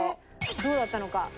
どうだったのか。